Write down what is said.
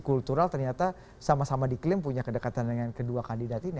kultural ternyata sama sama diklaim punya kedekatan dengan kedua kandidat ini